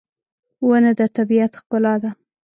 • ونه د طبیعت ښکلا ده.